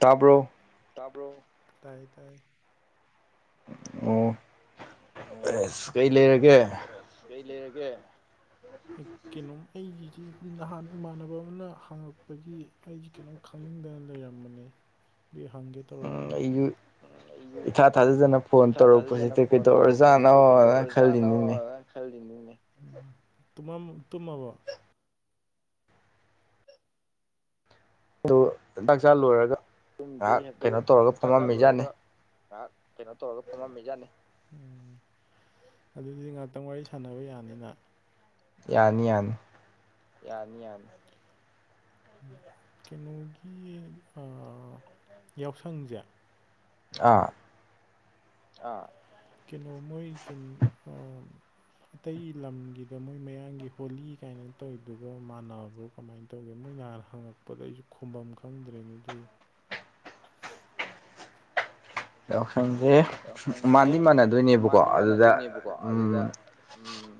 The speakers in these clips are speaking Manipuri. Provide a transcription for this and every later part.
ꯇꯥꯕ꯭ꯔꯣ ꯇꯥꯕ꯭ꯔꯣ ꯇꯥꯏꯌꯦ ꯇꯥꯏꯌꯦ ꯑꯣ ꯑꯁ ꯀꯩ ꯂꯩꯔꯒꯦ ꯀꯩ ꯂꯩꯔꯒꯦ ꯀꯩꯅꯣꯝ ꯑꯩꯁꯤꯗꯤ ꯅꯍꯥꯟ ꯏꯃꯥꯟꯅꯕ ꯑꯃꯅ ꯍꯪꯉꯛꯄꯒꯤ ꯑꯩꯁꯦ ꯀꯩꯅꯣꯝ ꯈꯪꯅꯤꯡꯗꯅ ꯂꯩꯔꯝꯕꯅꯦ ꯑꯗꯨ ꯍꯪꯒꯦ ꯇꯧꯔꯛ ꯑꯩꯁꯨ ꯏꯊꯥ ꯊꯥꯖꯗꯅ ꯐꯣꯟ ꯇꯧꯔꯛꯄꯁꯤꯗ ꯀꯩꯗꯧꯔ ꯇꯧꯔꯛꯄꯁꯤꯗ ꯀꯩꯗꯧꯔꯖꯥꯠꯅꯣꯅ ꯈꯜꯂꯤꯅꯤꯅꯦ ꯇꯨꯝꯃꯝ ꯇꯨꯝꯃꯕꯣ ꯗꯨ ꯆꯥꯛꯆꯥꯥ ꯂꯣꯏꯔꯒ ꯇꯨꯝꯗ꯭ꯔꯤ ꯑꯗꯨ ꯆꯥꯛ ꯆꯥ ꯂꯣꯏꯔꯒ ꯉꯥꯏꯍꯥꯛ ꯀꯩꯅꯣ ꯇꯧꯔꯒ ꯐꯝꯃꯝꯃꯤꯖꯥꯠꯅꯤ ꯑꯗꯨꯗꯤ ꯉꯥꯏꯍꯥꯛꯇꯪ ꯋꯥꯔꯤ ꯁꯥꯟꯅꯕ ꯌꯥꯅꯤꯅ ꯌꯥꯅꯤ ꯌꯥꯅꯤ ꯌꯥꯅꯤ ꯌꯥꯅꯤ ꯀꯩꯅꯣꯒꯤ ꯑ ꯌꯥꯎꯁꯪꯁꯦ ꯑꯥ ꯑ ꯀꯩꯅꯣ ꯃꯣꯏ ꯑ ꯑꯇꯩ ꯂꯝꯒꯤꯗ ꯃꯣꯏ ꯃꯌꯥꯝꯒꯤ ꯍꯣꯂꯤ ꯀꯥꯏꯅ ꯇꯧꯏꯗꯨꯒ ꯃꯥꯟꯅꯕ꯭ꯔꯣ ꯀꯃꯥꯏꯅ ꯇꯧꯒꯦ ꯃꯣꯏ ꯅꯍꯥꯟ ꯍꯪꯉꯛꯄꯗ ꯑꯩꯁꯨ ꯈꯨꯝꯐꯝ ꯈꯪꯗ꯭ꯔꯦꯅ ꯑꯗꯨꯏ ꯌꯥꯎꯁꯪꯁꯦ ꯌꯥꯎꯁꯪꯖꯦ ꯃꯥꯟꯗꯤ ꯃꯥꯟꯅꯗꯣꯏꯅꯦꯕꯀꯣ ꯑꯗꯨꯗ ꯎꯝ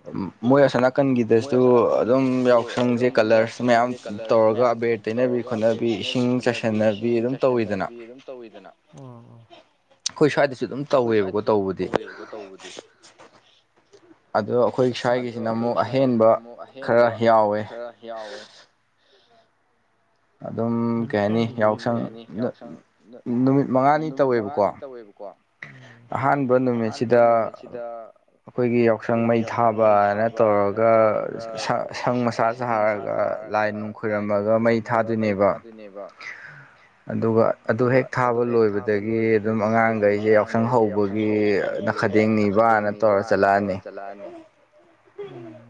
ꯃꯣꯏ ꯑꯁꯣꯟ ꯅꯥꯀꯟꯒꯤꯗꯨ ꯑꯗꯨꯝ ꯌꯥꯎꯁꯪꯖꯦ ꯀꯂ꯭ꯔꯁ ꯃꯌꯥꯝ ꯇꯧꯔꯒ ꯑꯕꯦꯔ ꯇꯩꯅꯕꯤ ꯈꯣꯠꯅꯕꯤ ꯏꯁꯤꯡ ꯆꯥꯏꯁꯟꯅꯕꯤ ꯑꯗꯨꯝ ꯇꯧꯋꯤꯗꯅ ꯎꯝ ꯎꯝ ꯑꯩꯈꯣꯏ ꯁ꯭ꯋꯥꯏꯗꯁꯨ ꯑꯗꯨꯝ ꯇꯧꯋꯦꯕꯀꯣ ꯇꯧꯕꯗꯤ ꯑꯗꯣ ꯑꯩꯈꯣꯏ ꯁ꯭ꯋꯥꯏꯒꯤꯁꯤꯅ ꯑꯃꯨꯛ ꯑꯍꯦꯟꯕ ꯈꯔ ꯌꯥꯎꯋꯦ ꯅꯨꯃꯤꯠ ꯀꯌꯥꯅꯤ [unintelligible] ꯑꯗꯨꯝ ꯀꯩ ꯍꯥꯏꯅꯤ ꯌꯥꯎꯁꯪ [unintelligible] ꯅꯨꯃꯤꯠ ꯃꯉꯥꯅꯤ ꯇꯧꯋꯦꯕꯀꯣ ꯎꯝ ꯑꯍꯥꯟꯕ ꯅꯨꯃꯤꯠꯁꯤꯗ ꯑꯩꯈꯣꯏꯒꯤ ꯌꯥꯎꯁꯪ ꯃꯩ ꯊꯥꯕꯅ ꯇꯧꯔꯒ [unintelligible] ꯁꯪ [unintelligible] ꯁꯥꯔꯒ ꯂꯥꯏ ꯅꯨꯡ ꯈꯣꯏꯔꯝꯃꯒ ꯃꯩ ꯊꯥꯗꯣꯏꯅꯦꯕ ꯑꯗꯨꯒ ꯑꯗꯨ ꯍꯦꯛ ꯊꯥꯕ ꯂꯣꯏꯕꯗꯒꯤ ꯑꯗꯨꯝ ꯑꯉꯥꯡꯒꯩꯖꯦ ꯌꯥꯎꯁꯪ ꯍꯧꯕꯒꯤ ꯅꯈꯗꯦꯡ ꯅꯤꯕꯅ ꯇꯧꯔꯥ ꯆꯠꯂꯛꯑꯅꯤ ꯎꯝ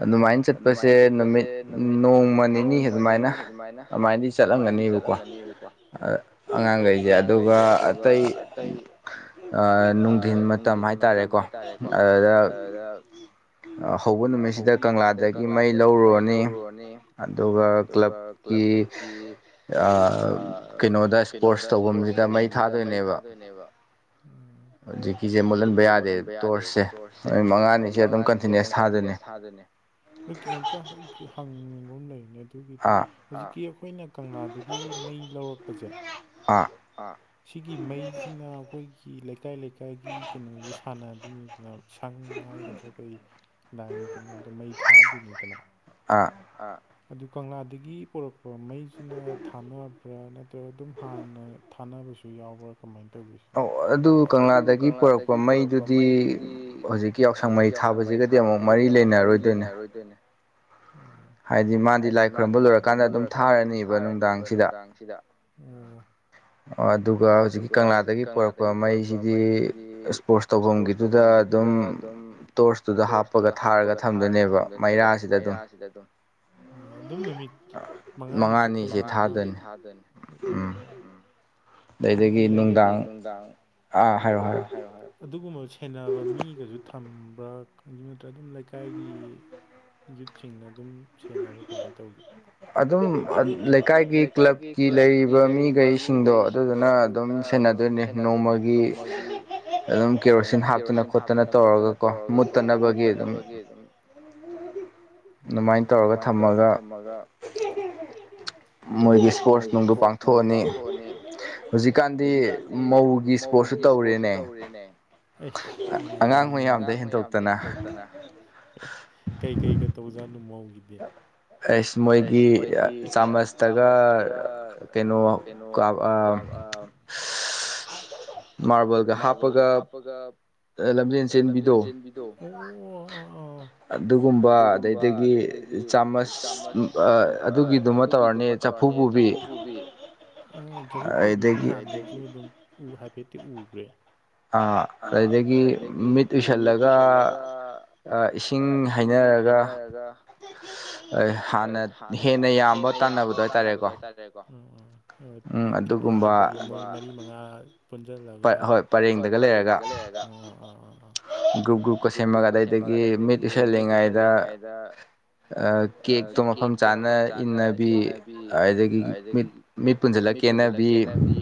ꯑꯗꯨꯃꯥꯏꯟ ꯆꯠꯄꯁꯦ ꯅꯨꯃꯤꯠ ꯅꯣꯡꯃ ꯅꯤꯅꯤ ꯑꯗꯨꯃꯥꯏꯅ [unintelligible] ꯆꯠꯂꯝꯒꯅꯤꯕꯀꯣ ꯑ ꯑꯉꯥꯡꯒꯩꯖꯦ ꯑꯗꯨꯒ ꯑꯇꯩ ꯑꯥ ꯅꯨꯡꯗꯤꯟ ꯃꯇꯝ ꯍꯥꯏꯇꯥꯥꯔꯦꯀꯣ ꯑꯗꯨꯗ ꯑꯥ ꯍꯧꯕ ꯅꯨꯃꯤꯠ [unintelligible] ꯍꯧꯕ ꯅꯨꯃꯤꯠꯁꯤꯗ ꯀꯪꯂꯥꯗꯒꯤ ꯃꯩ ꯂꯧꯔꯨꯔꯅꯤ ꯑꯗꯨꯒ ꯀ꯭ꯂꯕ ꯀꯤ ꯑꯥ ꯀꯩꯅꯣꯗ ꯏꯁꯄꯣꯔꯠꯁ ꯇꯧꯕꯝꯖꯤꯗ ꯃꯩ ꯊꯥꯗꯣꯏꯅꯦꯕ ꯎꯝ ꯍꯧꯖꯤꯛꯀꯤꯖꯦ ꯃꯨꯠꯍꯟꯕ ꯌꯥꯗꯦ ꯇꯣꯔꯁꯁꯦ ꯅꯨꯃꯤꯠ ꯃꯉꯥꯅꯤꯖꯦ ꯑꯗꯨꯝ ꯀꯟꯇꯤꯅ꯭ꯌꯨꯁ ꯊꯥꯗꯣꯏꯅꯤ ꯑꯩ ꯀꯩꯅꯣꯝꯇꯥ [unintelligible] ꯍꯪꯅꯤꯡꯕ ꯑꯃ ꯂꯩꯔꯤꯅꯦ ꯑꯗꯨꯒꯤꯗ ꯑꯥ ꯍꯧꯖꯤꯛꯀꯤ ꯑꯩꯈꯣꯏꯅ ꯀꯪꯂꯥꯗꯒꯤ ꯃꯩ ꯂꯧꯔꯛꯄꯖꯦ ꯑꯥ ꯁꯤꯒꯤ ꯃꯩꯖꯤꯅ ꯑꯩꯈꯣꯏꯒꯤ ꯂꯩꯀꯥꯏ ꯂꯩꯀꯥꯏꯒꯤ ꯀꯩꯅꯣꯒ ꯁꯥꯟꯅ [unintelligible] [unintelligible] ꯁꯪ ꯍꯥꯏꯒꯗ꯭ꯔꯥ ꯀꯩ ꯂꯥꯏꯒꯤ ꯀꯩꯅꯣꯗꯣ ꯃꯩ ꯊꯥꯗꯣꯏꯅꯤꯗꯅ ꯑꯥ ꯑꯥ ꯑꯗꯨ ꯀꯪꯂꯥꯗꯒꯤ ꯄꯨꯔꯛꯄ ꯃꯩꯖꯤꯅ ꯊꯥꯅ [unintelligible] ꯅꯠꯇ꯭ꯔꯒ ꯑꯗꯨꯝ ꯍꯥꯟꯅ ꯊꯥꯅꯕꯁꯨ ꯌꯥꯎꯕ꯭ꯔꯥ ꯀꯃꯥꯏꯟ ꯇꯧꯒꯦ ꯁꯤꯗꯤ ꯑꯧ ꯑꯗꯨ ꯀꯪꯂꯥꯗꯒꯤ ꯄꯨꯔꯛꯄ ꯃꯩꯗꯨꯗꯤ ꯍꯧꯖꯤꯛꯀꯤ ꯌꯥꯎꯁꯪ ꯃꯩ ꯊꯥꯕꯖꯤꯒꯗꯤ ꯑꯃꯨꯛ ꯃꯔꯤ ꯂꯩꯅꯔꯣꯏꯗꯣꯏꯅꯦ ꯎꯝ ꯍꯥꯏꯗꯤ ꯃꯥꯗꯤ ꯂꯥꯏ ꯈꯨꯔꯝꯕ ꯂꯣꯏꯔꯀꯥꯟꯗ ꯑꯗꯨꯝ ꯊꯥꯔꯅꯤꯕ ꯅꯨꯡꯗꯥꯡꯁꯤꯗ ꯑꯣ ꯑꯗꯨꯒ ꯍꯧꯖꯤꯛꯀꯤ ꯀꯪꯂꯥꯗꯒꯤ ꯄꯨꯔꯛꯄ ꯃꯩꯁꯤꯗꯤ ꯏꯁꯄꯣꯔꯠꯁ ꯇꯧꯕꯝꯒꯤꯗꯨꯗ ꯑꯗꯨꯝ ꯇꯣꯔꯁꯇꯨꯗ ꯍꯥꯞꯄꯒ ꯊꯥꯔꯒ ꯊꯝꯗꯣꯏꯅꯦꯕ ꯃꯩꯔꯥ [unintelligible] ꯑꯗꯨꯝ ꯅꯨꯃꯤꯠ ꯃꯉꯥꯅꯤ ꯆꯨꯞꯄ ꯃꯉꯥꯅꯤꯁꯦ ꯊꯥꯗꯣꯏꯅꯤ ꯎꯝ ꯑꯗꯨꯗꯤ [unintelligible] ꯅꯨꯡꯗꯥꯡ ꯑꯥ ꯍꯥꯏꯔꯣ ꯍꯥꯏꯔꯣ ꯑꯗꯨꯒꯨꯝꯕ ꯁꯦꯟꯅꯕ ꯃꯤꯒꯖꯨ ꯊꯝ ꯇꯝꯕ ꯑꯗꯨ ꯅꯠꯇ꯭ꯔꯒ ꯑꯗꯨꯝ ꯂꯩꯀꯥꯏꯒꯤ ꯌꯨꯠꯁꯤꯡꯅ ꯑꯗꯨꯝ ꯁꯦꯟꯅꯕ꯭ꯔꯥ ꯀꯃꯥꯏꯟ [unintelligible] ꯑꯗꯨꯝ ꯂꯩꯀꯥꯏꯒꯤ ꯀ꯭ꯂꯕꯀꯤ ꯂꯩꯔꯤꯕ ꯃꯤꯒꯩꯁꯤꯡꯗꯣ ꯑꯗꯨꯗꯨꯅ [unintelligible] ꯗꯨꯝ ꯁꯦꯟꯅꯗꯣꯏꯅꯦ ꯅꯣꯡꯃꯒꯤ ꯑꯗꯨꯝ ꯀꯦꯔꯣꯁꯤꯟ ꯍꯥꯞꯇꯅ ꯈꯣꯠꯇꯅ ꯇꯧꯔꯒ ꯀꯣ ꯃꯨꯠꯇꯅꯕꯒꯤ ꯑꯗꯨꯝ ꯎꯝ ꯑꯗꯨꯃꯥꯏꯟ ꯇꯧꯔꯒ ꯊꯝꯃꯒ ꯃꯣꯏꯒꯤ ꯏꯁꯄꯣꯔꯠꯁ ꯅꯨꯡꯗꯨ ꯄꯥꯡꯊꯣꯛꯑꯅꯤ ꯍꯧꯖꯤꯛꯀꯥꯟꯗꯤ ꯃꯧꯒꯤ ꯏꯁꯄꯣꯔꯠꯁꯨ ꯇꯧꯔꯦꯅꯦ ꯑꯩꯁ ꯅꯨꯡꯉꯥꯏ ꯑꯉꯥꯡ ꯃꯌꯥꯝꯗꯒꯤ ꯍꯦꯟꯗꯣꯛꯇꯅ ꯀꯩꯒ ꯇꯧꯖꯥꯠꯅꯨ ꯃꯧꯒꯤꯗꯤ ꯑꯩꯁ ꯃꯣꯏꯒꯤ ꯆꯥꯃꯁꯇꯒ ꯀꯩꯅꯣ ꯑꯥ ꯃꯔꯕꯜꯒ ꯍꯥꯞꯄꯒ ꯂꯝꯖꯦꯟ ꯆꯦꯟꯕꯤꯗꯣ ꯑꯣ [inaudible] ꯑꯗꯨꯒꯨꯝꯕ ꯑꯗꯩꯗꯒꯤ ꯆꯥꯃꯁ ꯑꯗꯨꯒꯤꯗꯨꯃ ꯇꯧꯔꯅꯤ ꯇꯧꯔꯅꯤ ꯆꯐꯨ ꯄꯨꯕꯤ ꯑꯣ ꯆꯐꯨ ꯄꯨꯕꯤꯗꯤ ꯁꯨꯝ ꯑꯗꯨ ꯎ ꯍꯥꯏꯐꯦꯠꯇꯤ ꯎꯈ꯭ꯔꯦ ꯑꯥ ꯑꯗꯩꯗꯤ ꯃꯤꯠ ꯎꯏꯁꯜꯂꯒ ꯏꯁꯤꯡ ꯍꯩꯅꯔꯒ ꯍꯥꯟꯅ ꯍꯦꯟꯅ ꯌꯥꯝꯕ ꯇꯥꯟꯅꯕꯗꯣ ꯍꯥꯏꯇꯥꯔꯦꯀꯣ ꯎꯝ ꯀꯩꯅꯣ ꯑꯗꯨꯒꯨꯝꯕ ꯃꯔꯤ ꯃꯉꯥ ꯄꯨꯟꯁꯤꯜꯂꯒ ꯍꯣꯏ ꯄꯔꯦꯡꯗꯒ ꯂꯩꯔꯒ ꯎꯝ ꯎꯝ ꯎꯝ ꯒꯔꯨꯞ ꯒꯔꯨꯞꯀ ꯁꯦꯝꯃꯒ ꯑꯗꯨꯗꯩꯗꯒꯤ ꯃꯤꯠ ꯎꯁꯜꯂꯤꯉꯩꯗ ꯀꯦꯛꯇꯣ ꯃꯐꯝ ꯆꯥꯅ ꯏꯟꯅꯕꯤ ꯑꯗꯨꯗꯒꯤ ꯃꯤꯠ ꯃꯤꯠ ꯄꯨꯟꯁꯤꯜꯂꯒ ꯀꯦꯅꯕꯤ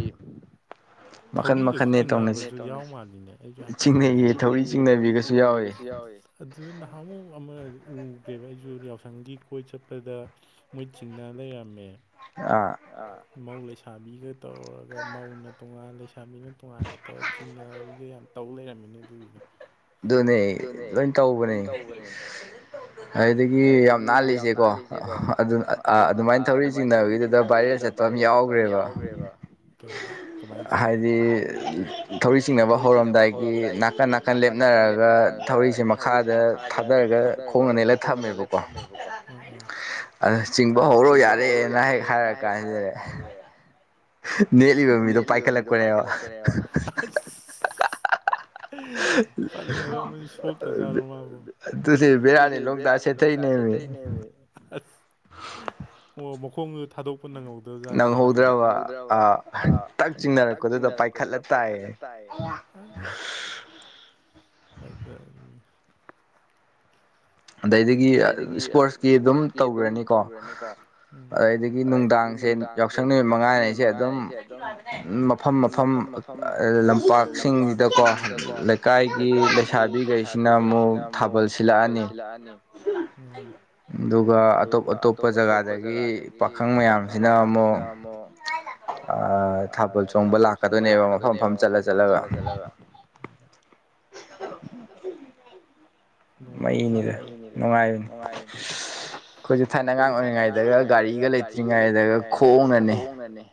ꯊꯧꯔꯤꯒꯁꯨ ꯆꯤꯡꯅꯕꯁꯨ ꯌꯥꯎ ꯃꯥꯜꯂꯤꯅꯦ ꯑꯩꯁꯨ ꯍꯥꯏꯐꯦꯠ ꯊꯦꯡꯅꯒꯔꯦ ꯆꯤꯡꯅꯩꯌꯦ ꯊꯧꯔꯤ ꯆꯤꯡꯅꯕꯤꯒꯁꯨ ꯌꯥꯎꯏ ꯑꯗꯨꯗ ꯅꯍꯥꯃꯨꯛ ꯑꯃ ꯎꯈ꯭ꯔꯦꯕ ꯑꯩꯁꯨ ꯌꯥꯎꯁꯪꯒꯤ ꯀꯣꯏ ꯆꯠꯄꯗ ꯃꯣꯏ ꯆꯤꯡꯅ ꯂꯩꯔꯝꯃꯦ ꯑꯥ ꯃꯧ ꯂꯩꯁꯥꯕꯤꯒ ꯇꯧꯔꯒ ꯃꯧꯅ ꯇꯣꯉꯥꯟ ꯂꯩꯁꯥꯕꯤꯅ ꯇꯣꯉꯥꯟꯒ ꯇꯧꯔ ꯆꯤꯡꯅꯕꯤꯒ ꯌꯥꯝ ꯇꯧ ꯂꯩꯔꯝꯃꯤꯅꯦ ꯑꯗꯨꯒꯤꯗ ꯑꯗꯨꯅꯦ ꯂꯣꯏ ꯇꯧꯕꯅꯦ ꯑꯗꯨꯗꯒꯤ ꯌꯥꯝ ꯅꯥꯜꯂꯤꯁꯦꯀꯣ ꯑꯗꯨ ꯑꯗꯨꯃꯥꯏꯅ ꯊꯧꯔꯤ ꯆꯤꯡꯅꯕꯤꯗꯨꯗ ꯚꯥꯏꯔꯦꯜ ꯆꯠꯄ ꯑꯃ ꯌꯥꯎꯈ꯭ꯔꯦꯕ ꯀꯩꯒꯤ ꯀꯃꯥꯏ ꯆꯠꯂꯤꯕ ꯍꯥꯏꯗꯤ ꯊꯧꯔꯤ ꯆꯤꯡꯅꯕ ꯍꯧꯔꯝꯗꯥꯏꯒꯤ ꯅꯥꯀꯟ ꯅꯥ ꯅꯥꯀꯟ ꯂꯦꯞꯅꯔꯒ ꯊꯧꯔꯤꯁꯦ ꯃꯈꯥꯗ ꯊꯥꯗꯔꯒ ꯈꯣꯡꯅ ꯅꯦꯠꯂ ꯊꯝꯃꯦꯕꯀꯣ ꯑꯥ ꯑꯥ ꯑꯗꯨ ꯆꯤꯡꯕ ꯍꯧꯔꯣ ꯌꯥꯔꯦꯅ ꯍꯥꯏ ꯍꯥꯏꯔ ꯀꯥꯟꯁꯤꯗꯅꯦ ꯅꯦꯠꯂꯤꯕ ꯃꯤꯗꯣ ꯄꯥꯏꯈꯠꯂꯛꯄꯅꯦꯕ ꯐꯖꯔꯝꯃꯅꯤ ꯁꯣꯛꯇꯆꯥꯔꯣ ꯃꯥꯕꯣ ꯑꯗꯨꯅꯦ ꯕꯦꯔꯥꯅꯦ ꯂꯣꯡ ꯇꯥꯔꯒ ꯁꯦꯠꯊꯩꯅꯦꯃꯦ ꯑꯁ ꯑꯣ ꯃꯈꯣꯡꯗꯨ ꯊꯥꯗꯣꯛꯄ ꯅꯪꯍꯧꯗꯔ ꯅꯪꯍꯧꯗ꯭ꯔꯕꯖꯥꯅꯤꯅꯦ ꯃꯥꯒꯤꯁꯤꯗꯤ ꯅꯪꯍꯧꯗ꯭ꯔꯕ ꯑ ꯇꯛ ꯆꯤꯡꯅꯔꯛꯄꯗꯨꯗ ꯄꯥꯏꯈꯠꯂ ꯇꯥꯏꯌꯦ ꯑꯁ [unintelligible] ꯑꯗꯩꯗꯒꯤ ꯏꯁꯄꯣꯔꯠꯁꯀꯤ ꯑꯗꯨꯝ ꯇꯧꯒꯔꯅꯤꯀꯣ ꯑꯗꯩꯗꯒꯤ ꯅꯨꯡꯗꯥꯡꯁꯦ ꯌꯥꯎꯁꯪ ꯅꯨꯃꯤꯠ ꯃꯉꯥꯅꯤꯁꯦ ꯑꯗꯨꯝ ꯃꯐꯝ ꯃꯐꯝ ꯂꯝꯄꯥꯛꯁꯤꯡ ꯑꯗꯀꯣ ꯂꯩꯀꯥꯏꯒꯤ ꯂꯩꯁꯥꯕꯤꯈꯩꯁꯤꯅ ꯑꯃꯨꯛ ꯊꯥꯕꯜ ꯁꯤꯜꯂꯛꯑꯅꯤ ꯎꯝ ꯑꯣ ꯑꯗꯨꯒ ꯑꯇꯣꯞ ꯑꯇꯣꯞꯄ ꯖꯒꯥꯗꯒꯤ ꯄꯥꯈꯪ ꯃꯌꯥꯝꯁꯤꯅ ꯑꯃꯨꯛ ꯊꯥꯕꯜ ꯆꯣꯡꯕ ꯂꯥꯛꯀꯗꯣꯏꯅꯦꯕ ꯃꯐꯝ ꯃꯐꯝ ꯆꯠꯂ ꯆꯠꯂꯒ ꯅꯨꯡꯉꯥꯏꯖꯥꯅꯤ ꯃꯩꯅꯤꯗ ꯅꯨꯡꯉꯥꯏꯕꯅꯤ ꯑꯩꯈꯣꯏꯁꯨ ꯊꯥꯏꯅ ꯑꯉꯥꯡ ꯑꯣꯏꯔꯤꯉꯩꯗꯒ ꯒꯥꯔꯤꯒ ꯂꯩꯇ꯭ꯔꯤꯉꯩꯗꯒ ꯈꯣꯡꯅꯅꯤ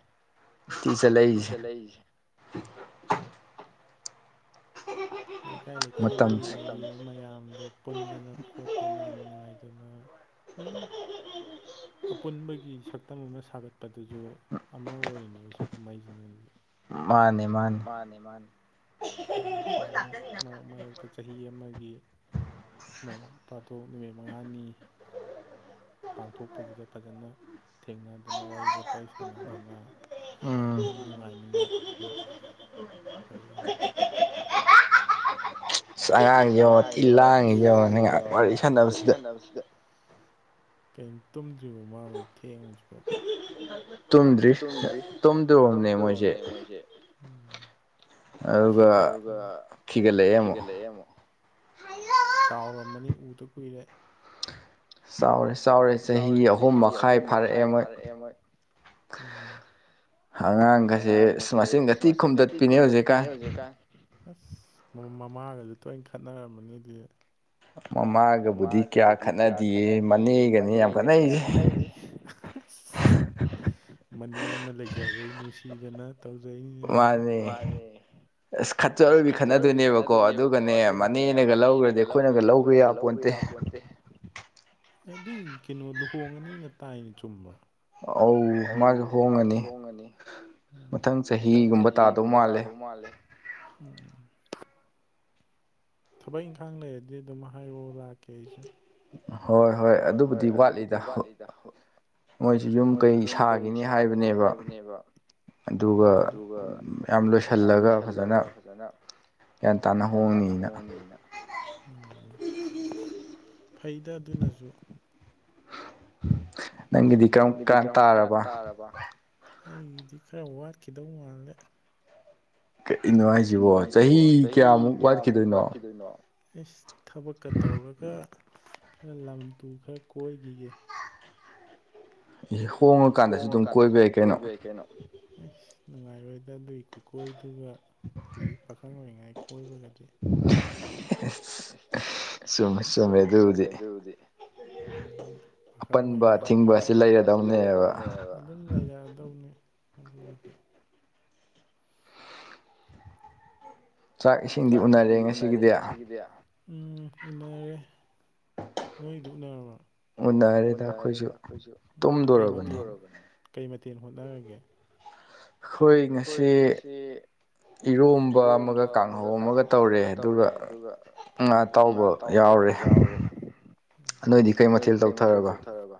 ꯆꯠꯂꯛꯏꯁꯦ ꯑꯩꯖꯦ [unintelligible] [unintelligible] ꯂꯩꯀꯥꯏ ꯂꯩꯀꯥꯏꯒꯤ ꯂꯩꯔꯤꯕ ꯃꯌꯥꯝꯗꯨ ꯄꯨꯟꯗꯅ ꯈꯣꯠꯇꯅ ꯅꯨꯡꯉꯥꯏꯗꯅ ꯑꯗꯨꯝ ꯑꯄꯨꯟꯕꯒꯤ ꯁꯛꯇꯝ ꯑꯃ ꯁꯥꯒꯠꯄꯗꯖꯨ ꯑꯃ ꯑꯣꯏꯔꯤꯅꯦ ꯁꯤ ꯀꯨꯝꯍꯩꯖꯤꯅꯗꯤ ꯃꯥꯅꯦ ꯃꯥꯅꯦ ꯃꯥꯅꯦ ꯐꯩ ꯁꯨꯃꯥꯏꯅ ꯃꯔꯛ ꯃꯔꯛꯇ ꯆꯍꯤ ꯑꯃꯒꯤ ꯅꯣꯡ ꯐꯥꯗꯣꯛ ꯅꯨꯃꯤꯠ ꯃꯉꯥꯅꯤ ꯄꯥꯡꯊꯣꯛꯄꯖꯤꯗ ꯐꯖꯅ ꯊꯦꯡꯅ ꯑꯗꯨꯅ ꯋꯥꯔꯤ ꯋꯥꯇꯥꯏ ꯁꯥꯟꯅꯗꯨꯅ ꯑꯗꯨꯝ ꯅꯨꯡꯉꯥꯏꯃꯤꯟꯅ ꯐꯩꯌꯦ ꯑꯁ ꯑꯉꯥꯡꯖꯦ ꯌꯦꯡꯉꯣ ꯊꯤ ꯂꯥꯡꯏꯖꯦ ꯌꯦꯡꯉꯨꯅꯦ ꯉꯍꯥꯛ ꯋꯥꯔꯤ ꯁꯥꯟꯅꯕꯖꯤꯗ [unintelligible] ꯀꯩꯅꯣ ꯇꯨꯝꯗ꯭ꯔꯤꯕꯣ ꯃꯥꯕꯨ ꯊꯦꯡꯉꯁꯤꯕꯣ [unintelligible] ꯇꯨꯝꯗ꯭ꯔꯤ ꯇꯨꯝꯗꯣꯔꯝꯅꯦ ꯃꯣꯏꯖꯦ ꯑꯗꯨꯒ ꯈꯤꯒꯠꯂꯛꯑꯦ ꯑꯃꯨꯛ ꯆꯥꯎꯔꯝꯃꯅꯤ ꯎꯗ ꯀꯨꯏꯔꯦ ꯆꯥꯎꯔꯦ ꯆꯥꯎꯔꯦ ꯆꯍꯤ ꯑꯍꯨꯝ ꯃꯈꯥꯏ ꯐꯥꯔꯛꯑꯦ ꯃꯣꯏ ꯎꯝ ꯑꯉꯥꯡꯒꯖꯦ ꯏꯁ ꯃꯆꯤꯟꯒ ꯊꯤ ꯈꯨꯝꯗꯠꯄꯤꯅꯦ ꯍꯧꯖꯤꯛꯀꯥꯟ ꯑꯁ ꯃꯃꯥꯒꯖꯨ ꯇꯣꯏꯅ ꯈꯠꯅꯔꯝꯃꯅꯤ ꯑꯗꯨꯗꯤ ꯃꯃꯥꯒꯕꯨꯗꯤ ꯀꯌꯥ ꯈꯠꯅꯗꯤꯌꯦ ꯃꯅꯦꯒꯅꯤ ꯌꯥꯝ ꯈꯠꯅꯩꯖꯦ [unintelligible] [unintelligible] ꯃꯅꯦ ꯑꯃ ꯂꯩꯖꯕꯩ ꯅꯨꯡꯁꯤꯗꯅ ꯇꯧꯖꯩꯅꯤꯅꯦ ꯃꯥꯖꯨ ꯃꯥꯅꯦ ꯑꯁ ꯈꯠꯆꯕꯤ ꯈꯠꯅꯗꯨꯏꯅꯦꯕꯀꯣ ꯑꯗꯨꯒꯅꯦ ꯃꯅꯦꯅꯒ ꯂꯧꯒ꯭ꯔꯗꯤ ꯑꯩꯈꯣꯏꯅꯒ ꯂꯧꯕ ꯌꯥꯄꯣꯟꯇꯦ ꯑꯦ ꯑꯗꯨ ꯀꯩꯅꯣ ꯂꯨꯍꯣꯡꯉꯅꯤꯅ ꯇꯥꯏ ꯆꯨꯝꯕ꯭ꯔꯣ ꯑꯧ ꯃꯥꯖꯨ ꯍꯣꯡꯉꯅꯤ ꯃꯊꯪ ꯆꯍꯤꯒꯨꯝꯕ ꯇꯥꯗꯧ ꯃꯥꯜꯂꯦ ꯎꯝ ꯊꯕꯛ ꯏꯪꯈꯥꯡ ꯂꯩꯔꯗꯤ ꯑꯗꯨꯝ ꯍꯥꯏꯔꯛꯑꯣ ꯂꯥꯛꯀꯦ ꯑꯩꯖꯨ ꯍꯣꯏ ꯍꯣꯏ ꯑꯗꯨꯕꯨꯗꯤ ꯋꯥꯠꯂꯤꯗ ꯃꯣꯏꯖꯨ ꯌꯨꯝ ꯀꯩ ꯁꯥꯒꯤꯅꯤ ꯍꯥꯏꯕꯅꯦꯕ ꯎꯝ ꯑꯗꯨꯒ ꯃꯌꯥꯝ ꯂꯣꯏꯁꯜꯂꯒ ꯐꯖꯅ ꯒ꯭ꯌꯥꯟ ꯇꯥꯅ ꯍꯣꯡꯅꯤꯅ ꯎꯝ ꯐꯩꯗ ꯑꯗꯨꯅꯖꯨ ꯅꯪꯒꯤꯗꯤ ꯀꯔꯝ ꯀꯥꯟ ꯇꯥꯔꯕ ꯑꯩꯒꯤꯗꯤ ꯈꯔ ꯋꯥꯠꯈꯤꯗꯧ ꯃꯥꯜꯂꯦ ꯀꯩꯅꯣ ꯍꯥꯏꯖꯤꯕꯣ ꯆꯍꯤ ꯀꯌꯥꯃꯨꯛ ꯍꯥꯏꯁꯤꯕꯣ ꯆꯍꯤ ꯀꯌꯥꯃꯨꯛ ꯋꯥꯠꯈꯤꯗꯣꯏꯅꯣ ꯏꯁ ꯊꯕꯛꯀ ꯇꯧꯔꯒ ꯈꯔ ꯂꯝꯇꯨ ꯈꯔ ꯀꯣꯏꯒꯤꯒꯦ ꯍꯣꯡꯉꯀꯥꯟꯗꯁꯨ ꯑꯗꯨꯝ ꯀꯣꯏꯕ ꯌꯥꯏ ꯀꯩꯅꯣ ꯑꯁ ꯅꯨꯡꯉꯥꯏꯔꯣꯏꯗ ꯑꯗꯨꯒꯤ ꯀꯨꯀꯣꯏꯗꯨꯒ ꯍꯨꯖꯤꯛ ꯄꯥꯈꯪ ꯑꯣꯏꯔꯤꯉꯥꯏ ꯀꯣꯏꯕꯒꯗꯤ ꯆꯨꯝꯃꯦ ꯆꯨꯝꯃꯦ ꯑꯗꯨꯕꯨꯗꯤ ꯈꯪꯉꯣꯏꯅꯦ ꯑꯄꯟꯕ ꯑꯊꯤꯡꯕ ꯑꯁꯤ ꯂꯩꯔꯗꯧꯅꯦꯕ ꯑꯗꯨꯝ ꯂꯩꯔꯗꯧꯅꯦ ꯑꯗꯨꯒꯤꯗꯤ ꯆꯥꯛꯏꯁꯤꯡꯗꯤ ꯎꯅꯔꯦ ꯉꯁꯤꯒꯤꯗꯤ ꯎꯝ ꯎꯅꯔ ꯅꯣꯏꯗꯤ ꯎꯅꯔꯕ ꯎꯟꯅꯔꯦꯗ ꯑꯩꯈꯣꯏꯖꯨ ꯎꯝ ꯀꯩ ꯃꯊꯦꯟ ꯀꯩ ꯃꯊꯦꯟ ꯍꯣꯠꯅꯔꯒꯦ꯫ ꯑꯩꯈꯣꯏ ꯉꯁꯤ꯫ ꯏꯔꯣꯝꯕ ꯑꯃꯒ ꯀꯥꯡꯍꯧ ꯑꯃꯒ ꯇꯧꯔꯦ ꯑꯗꯨꯒ ꯉꯥ ꯑꯇꯥꯎꯕ ꯌꯥꯎꯔꯦ꯫ ꯎꯝ ꯅꯣꯏꯗꯤ ꯀꯩ ꯃꯊꯦꯜ ꯇꯧꯊꯔꯕ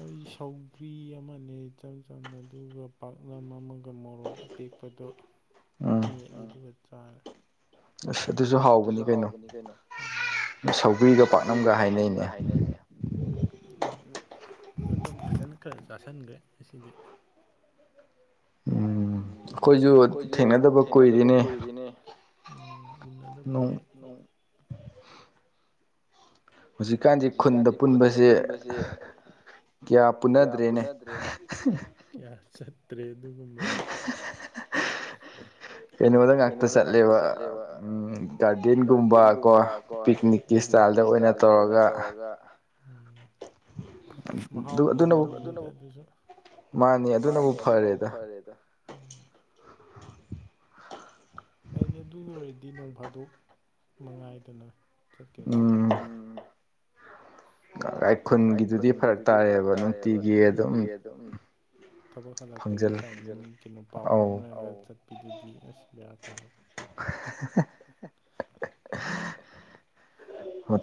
ꯑꯩ ꯁꯧꯒ꯭ꯔꯤ ꯑꯃꯅꯦ ꯏꯆꯝ ꯆꯝꯅ ꯑꯗꯨꯒ ꯄꯥꯛꯅ ꯑꯃꯒ ꯃꯣꯔꯣꯛ ꯇꯦꯛꯄꯗꯣ ꯃꯦꯠꯂꯦ ꯑꯗꯨꯒ ꯆꯥꯔꯦ ꯑꯁ ꯑꯗꯨꯁꯨ ꯍꯥꯎꯕꯅꯤ ꯀꯩꯅꯣ ꯁꯧꯒ꯭ꯔꯤꯒ ꯄꯥꯛꯅꯝꯒ ꯍꯥꯏꯅꯩꯅꯤ ꯑꯗꯨꯝ ꯐꯖꯅ ꯈꯔ ꯆꯁꯤꯟꯒꯔ꯭ꯦ ꯉꯁꯤꯗꯤ ꯎꯝ ꯑꯩꯈꯣꯏꯁꯨ ꯊꯦꯡꯅꯗꯕ ꯀꯨꯏꯔꯤꯅꯦ ꯎꯝ ꯎꯅꯗ ꯀꯨꯏꯔꯦ ꯅꯣꯡ ꯗꯤ ꯈꯨꯟꯗ ꯄꯨꯟꯕꯁꯖꯦ ꯀꯌꯥ ꯄꯨꯟꯅꯗ꯭ꯔꯦꯅꯦ ꯀꯌꯥ ꯆꯠꯇ꯭ꯔꯦ ꯑꯗꯨꯒꯨꯝꯕꯖꯦ ꯀꯩꯅꯣꯗꯥ ꯉꯥꯛꯇ ꯆꯠꯂꯦꯕ ꯎꯝ ꯒꯥꯔꯗꯦꯟꯒꯨꯝꯕ ꯀꯣ ꯄꯤꯛꯅꯤꯛꯀꯤ ꯏꯁꯇꯥꯏꯜꯗ ꯑꯣꯏꯅ ꯇꯧꯔ ꯒ ꯎꯝ ꯃꯍꯥꯎ ꯑꯃꯃꯝꯅꯤꯗꯥ ꯗꯨꯖꯨ ꯃꯥꯅꯤ ꯑꯗꯨꯅꯕꯨ ꯐꯔꯦꯗ ꯍꯥꯏꯗꯤ ꯑꯗꯨ ꯑꯣꯏꯔꯗꯤ ꯅꯣꯡ ꯐꯥꯗꯣꯛ ꯃꯉꯥꯏꯗꯅ ꯆꯠꯀꯦꯅ ꯆꯠꯂꯕ ꯎꯝ ꯀꯥꯏ ꯈꯨꯟꯒꯤꯗꯨꯗꯤ ꯐꯔꯛ ꯇꯥꯔꯦꯕ ꯅꯨꯡꯇꯤꯒꯤ ꯑꯗꯨꯝ ꯊꯕꯛ ꯍꯜꯂꯛꯄꯒꯤ ꯇꯥꯏꯃꯤꯡ ꯀꯩꯅꯣ ꯄꯥꯎ ꯐꯥꯎꯅꯔꯒ ꯆꯠꯄꯤꯗꯨꯗꯤ ꯑꯁ ꯕꯦꯔꯥ ꯀꯥꯔꯦ [inaudible]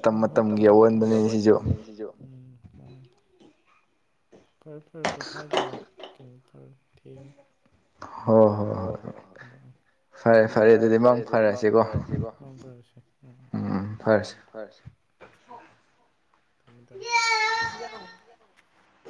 ꯍꯣ ꯍꯣ ꯐꯔꯦ ꯐꯔꯦ ꯃꯇꯝ ꯃꯇꯝꯒꯤ ꯑꯑꯣꯟꯕꯅꯦ ꯁꯤꯖꯨ ꯐꯔꯦ ꯐꯔꯦ ꯄꯣꯊꯥꯖꯔꯣ ꯀꯩꯅꯣ ꯇꯧꯔꯦ ꯊꯦꯡꯉꯦ ꯍꯣꯏ ꯍꯣꯏ ꯍꯣꯏ ꯐꯔꯦ ꯐꯔꯦ ꯑꯗꯨꯗꯤ ꯃꯪ ꯐꯔꯁꯤꯀꯣ꯫ ꯃꯪ ꯐꯔꯁꯤ ꯎꯝ ꯐꯔꯁꯤ ꯐꯔꯁꯦ ꯊꯝꯃꯤ ꯊꯝ